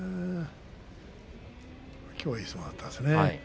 きょうはいい相撲だったですね